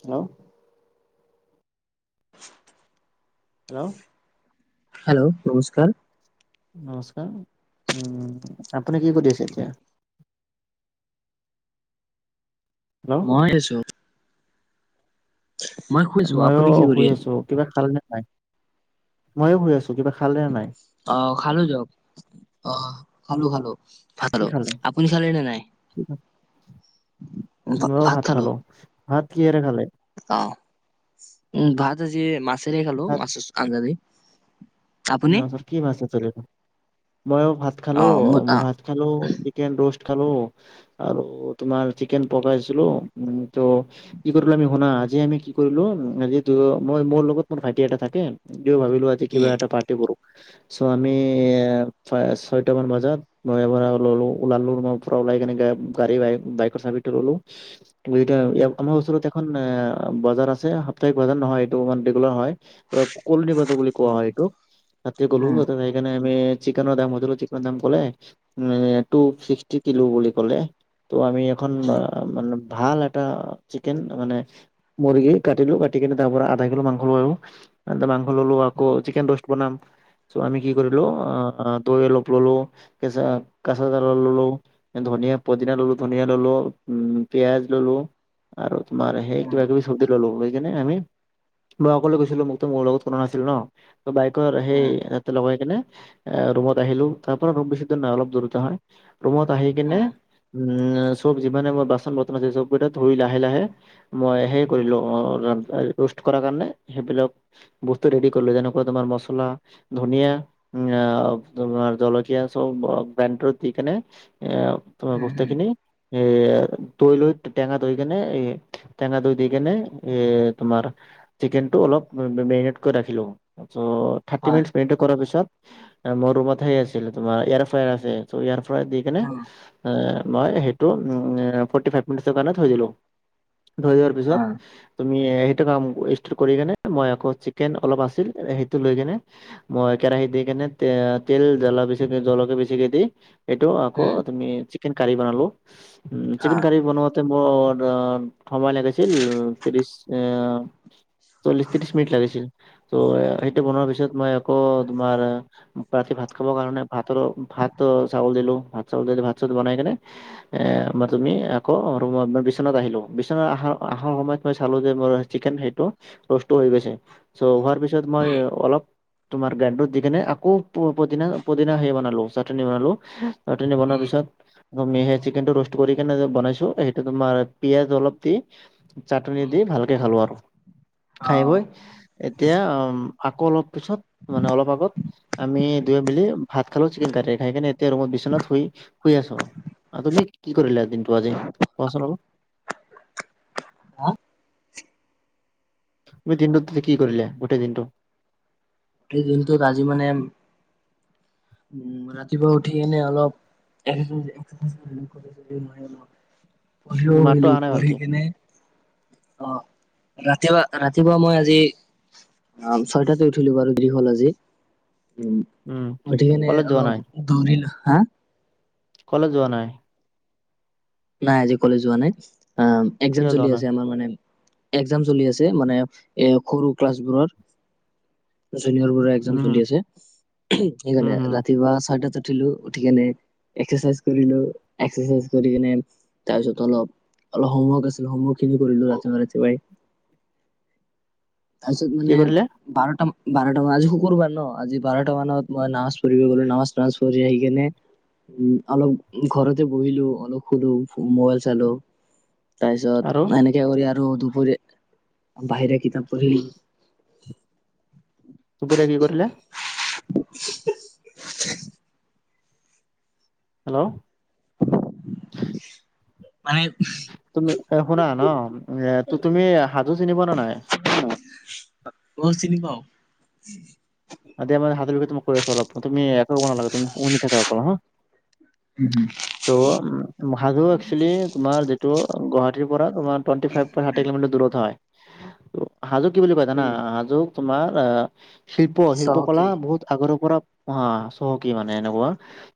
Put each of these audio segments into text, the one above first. Hello [unintelligible] hello hello নমস্কাৰ নমস্কাৰ উম আপুনি কি কৰি আছে এতিয়া হেল্ল' মই আছো মই শুইছো মইো আপুনি কি অ শুই কৰি আছো কিবা খাল নে নাই ময়ো শুই আছোঁ কিবা খালে নাই অ খালো যক অ খালো খালো ভাত কি খালে? আপুনি খালে নে নাই মই ভাত খালো ভাত কিহৰে খালি অ উম ভাত আজি মাছেৰে খালো ভাত মাছৰ আঞ্জ দি। আপুনি [unintelligible] মই ভাত খালো, অ মোৰ অ ভাত খালো, চিকেন ৰষ্ট খালো আৰু তোমাৰ চিকেন পকাইছিলো ত' কি কৰিলোঁ আমি শুনা আজি আমি কি কৰিলো, আজি মই মোৰ লগত মোৰ ভাইটি এটা থাকে, সিও ভাবিলো আজি কিবা এটা পাৰ [inaudible] চ' আমি এ ছয়টামান বজাত [unintelligible] পৰা ওলালো ৰুমৰ পৰা ওলাই কেনে গা়-গাড়ী বাইক-বাইকৰ চাবিটো ললো উম আমাৰ ওচৰত এখন অ বজাৰ আছে, সাপ্তাহিক বজাৰ নহয় এইটো ই ৰেগুলাৰ হয়। কলণি পা বুলি কোৱা হয় এইটোক তাতে গ'লো উম সেইকাৰণে আমি চিকেনৰ দাম সুধিলোঁ, চিকেনৰ দাম কলে এ টুছিক্সটি কিলো বুলি কলে। তো আমি এখন উম আহ ভাল এটা চিকেন, মানে মূৰ্গী কাটিলো কাটিকিনে তাৰ পৰা আধা কিলো মাংস ললো। তাতে মাংস ললো, আকৌ উম চিকেন ৰষ্ট বনাম। আমি কি কৰিলো আহ দৈ অলপ ললো, কেঁচা-কাচা জাল ললো ধনীয়া-পদিনা ললোঁ, ধনিয়া ললোঁ, পিঁয়াজ ললোঁ আৰু মাৰ এক ধেই উম কিবা-কিবি সবজি ললোঁ, লৈ কেনে আমি মই অকলে গৈছিলো মোকটো মোৰ লগত কোনো নাছিল ন বাইকৰ উম সেই উম তাতে লগাই কিনে এ ৰুমত আহিলো, তাৰ পৰা ৰুম বেছি দূৰ নহয় অলপ দূৰত হয়, ৰুমত আহি কিনে উম চব যিমানে মই বাচন-বৰ্তন আছে চবকেইটা ধুই লাহে-লাহে মই সেই কৰিলো অ এ ৰোষ্ট কৰাৰ কাৰণে সেইবিলাক বস্তু ৰেডি কৰিলো যেন তোমাৰ মচলা, ধনিয়া, উম তোমাৰ জলকীয়া চব ব্ৰেনত দি কেনে এ তোমাৰ উম উম উম বতিকিনি এ দৈ লৈ টেঙা দৈ কেনে এই টেঙা দৈ দি কেনে এ তোমাৰ চিকেনটো অলপ মেৰিনেট কৰি ৰাখিলোঁ। চ' হয় থাৰটিমিনিটচ মেৰিনেট কৰাৰ পিছত মোৰ ৰুমত আছিল তোমাৰ এয়াৰ ফ্ৰেৰাই আছে চ এয়াৰ ফ্ৰেৰাই দি কিনে উম এ মই সেইটো উম এ ফৰটি ফাইভ মিনিটৰ কাৰণে থৈ দিলোঁ, থৈ দিয়াৰ হয় পিছত আমি সেইটো কাম ষ্ট'ৰ কৰি কেনে মই আকৌ চিকেন অলপ আছিল সেইটো লৈ কেনে মই কেৰাহিত দি কেনে তে এ তেল জ্বলা জলকীয়া বেছিকে দি এইটো আকৌ উম তুমি চিকেনকাৰী বনালো, চিকেন হয় কাৰী বনাওঁতে মোৰ আহ সময় লাগিছিল ত্ৰিছ এ চল্লিশ-ত্ৰিশ মিনিট লাগিছিল। ত' সেইটো বনোৱাৰ পিছত মই আকৌ তোমাৰ ৰাতি ভাত খাব কাৰণে ভাতৰো ভাত চাউল দিলো ভাত চাউল দি ভাত-চাত বনাই কেনে এ মই তুমি আকৌ ৰুমত বিচনাত আহিলো। বিচনা আহা-অহাৰ সময়ত মই চালো যে মোৰ চিকেন সেইটো ৰষ্টটো হৈ গৈছে চ' হোৱাৰ পিছত পিছত মই উম অলপ তোমাৰ গাইনডত দি কিনে আকৌ পুদিনা-পদিনা সেই বনালো চাটনি বনালো। চাটনী বনোৱাৰ উম পিছত তুমি সেই চিকেনটো ৰষ্ট কৰি কেনে বনাইছো সেইটো তোমাৰ পিয়াঁজ অলপ দি চাটনি দি ভালকে খালো আৰু অ খাই বৈ এতিয়া অঁ আকৌ অলপ পিছত মানে অলপ আগত আমি দুয়োমিলি ভাত খালো চিকেন কাৰী, খাই কিনে এতিয়া ৰুমত বিচনাত শুই-শুই আছোঁ। আৰু তুমি কি কৰিলা দিনটো আজি কোৱাচোন অলপ? হা! তুমি দিনটোত কি কৰিলে গোটেই দিনটো? সেই দিনটোত আজি মানে উম ৰাতিপুৱা উঠি কেনে অলপ মাতটো পঢ়িলো অহা নাই পঢ়ি ভালকে কিনে অঁ! ৰাতিপুৱা-ৰাতিপুৱা মই আজি অ ছয়টাতে উঠিলো বাৰু। দেৰি হল আজি। উম উঠি কেনে কলেজ যোৱা নাই অলপ দৌৰিলো। হা! কলেজ যোৱা নাই? নাই আজি কলেজ যোৱা নাই একজাম কিয় যোৱা চলি নাই? আছে আমাৰ মানে। একজাম চলি আছে মানে এ সৰু ক্লাছবোৰৰ। জুনিয়ৰ বোৰ উম একজাম চলি উম আছে সেইকাৰণে উম ৰাতিপুৱা চাৰ উঠিলো উঠি কেনে এক্সাৰচাইজ কৰিলো এক্সাৰাইজ কৰি কেনে। তাৰপিছত অলপ অলপ হোমৱৰ্ক আছিল হোমৰ্ক খিনি কৰিলো ৰাতিপুৱা ৰাতিপুৱাই। [unintelligible] তাৰপিছত কি মানে কৰিলে বাৰটাান বাৰটা মান আজি শুকুৰবাৰ ন আজি বাৰটা মানত মই নাচ পব গলো। নাজ নচ কৰি সেইখনে উ অলপ ঘৰতে বহিলো অলপ। সুধো মোবাইল চালো আৰু তাৰপিছত এনেকে কৰি আৰু দুপ বাহিৰা কিতাপ পঢ়িল। দুুপুৰীয়া কি কৰিলে? হেল্ল' মানে তুমি শুনা ন তুমি সাজু চিনিব ন নাই। ম চিনি পাও। কৰি চল তুমি এক কনা লাগ তুমি উনি থাকা অকল হা। ত' উ মহাধু একচেলি তোমাৰ যিটো গুৱাহাটীৰ পৰা তোমাৰ টুৱেণ্টি ফাইভ কিলোমিটাৰ দূৰত হয় হাজো কি বুলি কয় জানা উম হাজু তোমাৰ অ শিল্প শিল্প কলা চহকী বহুত আগৰে পৰা। অ চহকী মানে এনেকুৱা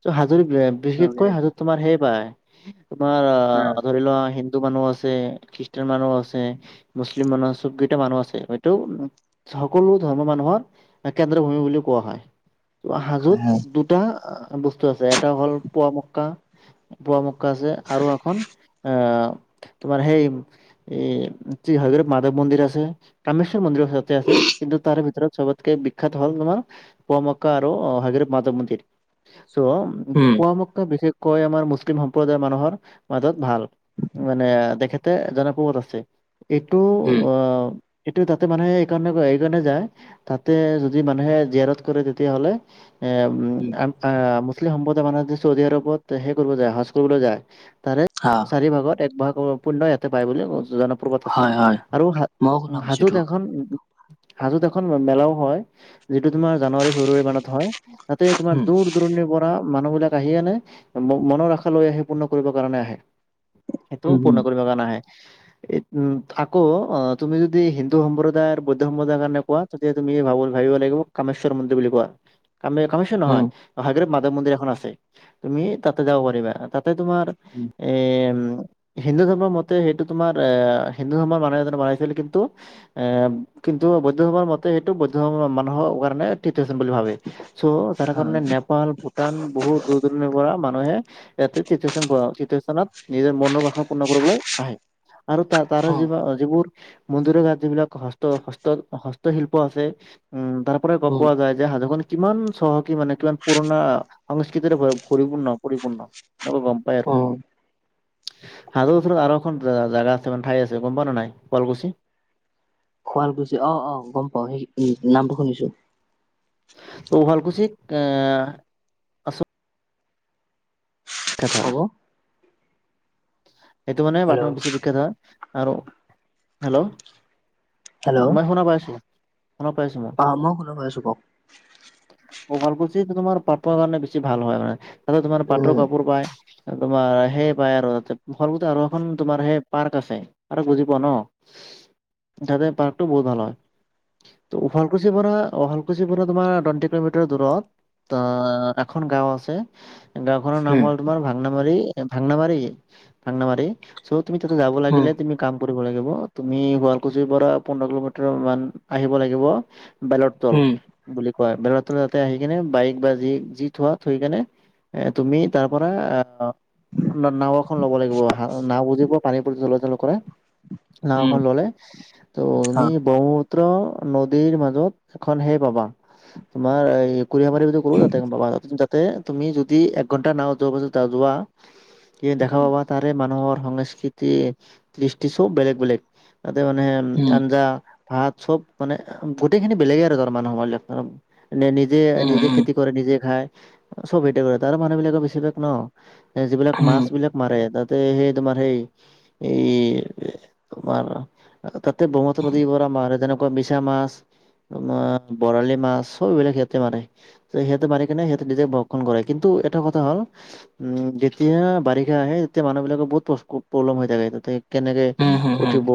ত হাজৰি বিশেষকৈ চহকী হাজোৰ তোমাৰ হেয় পাই। তোমাৰ অ ধৰি লোৱা হিন্দু মানুহ আছে খ্ৰীষ্টান মানুহ আছে মুচলিম মুচলিম মানুহৰ চব কেইটা মানুহ আছে হয়টো সকলো ধৰ্মৰ মানুহৰ কেন্দ্ৰ ভূমি বুলি কোৱা হয় ত হাজত দুটা। বস্তু আছে এটা হ'ল পোৱা মক্কা পোৱা মক্কা আছে আৰু এখন অ তোমাৰ সেই এ শ্ৰী হগৰৱ মাধৱ মন্দিৰ আছে কামেশ্বৰ মন্দিৰ সতে আছে কিন্তু তাৰ ভিতৰত চবতকে বিখ্যাত হ'ল তোমাৰ পুৱ মকা আৰু হগ মাধ মন্দিৰ ত' উম পোৱা মক্কা বিশেষকৈ আমাৰ মুছলিম সম্প্ৰদায়ৰ মানুহৰ মাজত ভাল। মানে দেখেতে জনপহত আছে। এইটো উম উম অ এইটো তাতে মানুহে এইকাৰণে এই কাৰণে যায় তাতে। মান জ কৰে তেতিয়ালে। সম্প্ৰদায়ানেশ চৌদি আৰবত সে কৰিব যায় স্ৰজ কৰিবলৈ যায় তাৰে হা চাৰি ভাগত এক ভাগ পুণ্য ইয়াতে পায় বুলি জনপৰ্বত আছে হয় হয় আৰু হ মইও শুনা পাইছো এইটো হাজোত এখন। হাজত এখন মেলাও হয় যিটো তোমাৰ জানুৱাৰী ফেব্ৰুৱাৰী মানত হয়। তাতে তোমাৰ দূৰ দূৰণি পৰা। মানুহ বিলাক আহিয়েনে মনৰ আশা লৈ আহি পূৰ্ণ কৰিবৰ কাৰণে আহে। সেইটো উম পূৰ্ণ উম কৰিব কাৰনে আহে। উম আকৌ অ তুমি যদি হিন্দু সম্প্ৰদায়ৰ বৌদ্ধ সম্প্ৰদায়ৰ কাৰণে কোৱা তেতিয়া তুমি ভাব ভাবিব লাগিব কামেশ্বৰ মন্দিৰ বুলি কোৱা কাম কামেশ্বৰ নহয়। উম উম ৱ মন্দিৰ এখন আছে তুমি তাতে যাব পাৰিবা তাতে তোমাৰ উম এ হিন্দু ধৰ্মৰ মতে সেইটো তোমাৰ আহ হিন্দু ধৰ্মৰ মানুহ এজনে বনাইছিল কিন্তু এ কিন্তু বৌদ্ধভৰ মতে সেইটো বৌদ্ধ মানুহৰ কাৰণে বুলি ভাবে চ' যাৰ হয় কাৰণে নেপাল ভূটান বহুত দূৰ দূৰণিৰ পৰা মানুহে। ইয়াতে তৃতীয় স্থান তৃতীয় স্থানত নিজৰ মনৰ পূৰ্ণ কৰিবলৈ আহে আৰু তাৰ তাৰে অ যিব যিবোৰ। মন্দিৰৰ গাত যিবিলাক হস্ত হস্ত হস্তশিল্প আছে উম। তাৰ পৰাই অ গম পোৱা যায় যে সাজু। কিমান চহকী মানে কিমান পুৰণা সংস্কৃতিৰে পৰিপূৰ্ণ পৰিপূৰ্ণ। নক গম পাই অ আৰু। হাজোৰ ওছৰত আৰু এখন জেগা আছে মে ঠাই আছে গম পোৱা নে নাই শুৱালকুছি। শুৱালকুছি অ অ গম পাওৱে সেই উ নামটো শুনিছো। ত' শুৱালকুছিত এ আছ। বিখ্যাত হয়। হ'ব। এইটো মানে মানুহ হেল্ল'। বেছি বিখ্যাত হয়। আৰু হেল্ল'? হেল্ল' মই শুনা পাইছোঁ। অ' মই শুনা পাইছোঁ। কওঁক। শুৱালকুছিটো তোমাৰ পাটৰ কাৰণে বেছি ভাল হয় মানে। তাতে তোমাৰ পাটৰ উম কাপ পায়। আৰু তোমাৰ সেই পায় আৰু, তাতে শুৱালকুছিতে আৰু এখন তোমাৰ সেই পাৰ্ক আছে। আৰু বুজি পোৱা ন তাতে পাৰ্কটো বহুত ভাল হয়। তো শুৱালকুছিৰ পৰা- শুৱালকুছিৰ পৰা তোমাৰ টুৱেণ্টি কিলোমিটাৰ দূৰত অ' এখন গাওঁ আছে। খনৰ নাম উম হ'ল তোমাৰ ভাংনাবাৰী- ভাংনাবাৰী - ভাংনাবাৰী। ছো তুমি তাতে যাব উম লাগিলে তুমি কাম কৰিব লাগিব। তুমি শুৱালকুছিৰ পৰা পোন্ধৰ কিলোমিটাৰ মান আহিব লাগিব। বেলৰ তল উম বুলি কয়। বেলৰ তলত তাতে আহি কিনে, বাইক বা যি- যি থোৱা, থৈকেনে এ তুমি তাৰ পৰা অ'- ন- নাও এখন লব লাগিব। নাও বুজি পোৱা পানীৰ ওপৰত জল কৰে। উম নাওখন ললে অ তুমি ব্ৰহ্ম পুত্ৰ নদীৰ মাজত এখন সেই পাবা, তোমাৰ এই কুৰিয়াবাৰি বুলি কলো তাতে গম পাবা। তাতে তুমি যদি একঘণ্টা নাওত [unintelligible] যোৱা পাছ যোৱা কি দেখা উম পাবা, তাৰে মানুহৰ সংস্কৃতি, কৃষ্টি চব বেলেগ - বেলেগ। তাতে মানে উম- থাঞ্জা ভাত চব মানে গোটেইখিনি বেলেগে আৰু [unintelligible] নে নিজে- উম উম নিজে উম খেতি কৰে, নিজে খায়। চব এতিয়া কৰে। তাৰে মানুহবিলাকে বেছিভাগ ন' যিবিলাক উম মাছবিলাক মাৰে, তাত তে সেই তোমাৰ সেই এই তোমাৰ তা তে ব্ৰহ্মপুত্ৰ নদী পৰা মাৰে যেনেকুৱা মিছা মাছ তোমাৰ বৰালি মাছ সব এইবিলাক সিহঁতে মাৰে। তো সিহঁতে মাৰিকিনে সিহঁতে নিজে ভক্ষণ কৰে। কিন্তু এটা কথা হ'ল, উম যেতিয়া বাৰিষা আহে, তেতিয়া মানুহবিলাকৰ বহুত প্ৰ- প্ৰব্লেম হৈ থাকে তাতে কেনেকে হুম হুম উঠিব,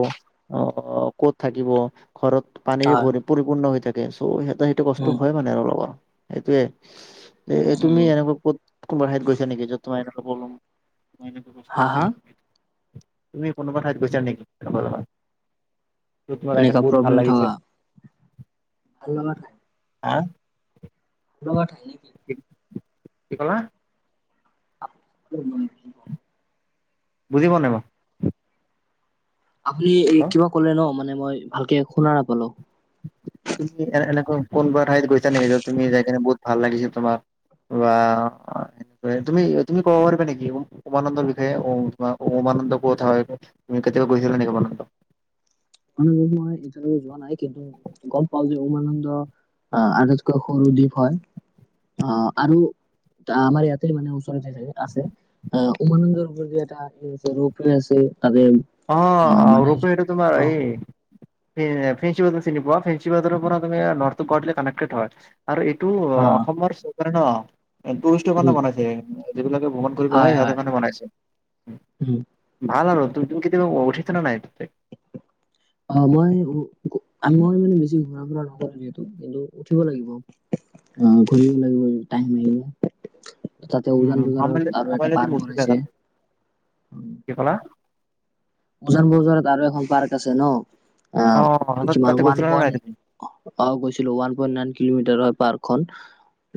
অ' ক'ত থাকিব, ঘৰত পানীৰে হয় ভৰি- পৰিপূৰ্ণ হৈ থাকে। ছো সিহঁতে সেইটো কষ্ট উম হয় মানে আৰু অলপ। সেইটোৱে। এ তুমি উম এনেকুৱা ক'ত কোনোবা ঠাইত গৈছা নেকি? য'ত তোমাৰ এনেকা প্ৰব্লেম মই এনেকা বস্তু হা হা বিচাৰো [inaudible] তুমি কোনোবা ঠাইত গৈছা নেকি, লগৰ লগত? [unintelligible] কাৰণে এনেকা বহুত ভাল প্ৰব্লেম লাগিছে। থকা ভাল লগা ঠাই হা? ভাল লগা ঠাই নেকি? কি ক'লা? উম। বুজি পোৱা নাই মই। আপুনি এই হেল্ল'? কিবা ক'লে ন'? মানে মই ভালকে শুনা নাপালোঁ। তুমি এনে- এনেকুৱা কোনোবা ঠাইত গৈছা নেকি? য'ত তুমি যাইকিনে বহুত ভাল লাগিছিল তোমাক। বা এনেকৈ তুমি- তুমি ক'ব পাৰিবা নেকি উ- উমানন্দৰ বিষয়ে? উমা- উমা নন্দ কথা হয়, তুমি কেতিয়াবা গৈছিলা নেকি উমানন্দ? [unintelligible] এতিয়ালৈকে যোৱা নাই। কিন্তু গম পাওঁ যে উমানন্দ অ' আটাইতকৈ সৰু দ্বীপ হয়। অ' আৰু তা আমাৰ ইয়াতে যে মানে ওচৰতে যে আছে, অ' উমানন্দৰ ওপৰত এটা হেৰি আছে, [inaudible] আছে তাতে, উম মানে হৈ পাৰি। এ ফেঞ্চিবজাৰ চিনি পোৱা? ফ্ৰেঞ্চিবজাৰৰ পৰা তুমি নৰ্থটো কৰ্দিলে কানেক্টেড হয়। আৰু এইটো অ' অসমৰ চৰকাৰে ন', এ টুৰিষ্টৰ কাৰণে উম বনাইছে। যিবিলাকে ভ্ৰমণ কৰিব আহে, হয় সিহঁতৰ হয় কাৰণে বনাইছে। উম ভাল আৰু তুম্- তুমি কেতিয়াবা উঠিছানে নাই? অ' মই উ- উম মই বেছি ঘূৰা ফুৰা নক্ ৰো যিহেতু, কিন্তু উঠিব লাগিব। অ' ঘূৰিব লাগিব, টাইম মিলিয়ে। তাতে উম উজান বজাৰত সময়লৈ আৰু এটা সময়লৈ তুমি পাৰ্ক উঠিবা বনাইছে। তাতে কি ক'লা উজান বজাৰত আৰু এখন পাৰ্ক আছে ন'? অ আঁ, তাত কিমান তাতে ওৱান গৈছিলা নে নাই তুমি পইণ্ট, অঁ গৈছিলো। ওৱান পইণ্ট নাইন কিলোমিটাৰত। পাৰ্কখন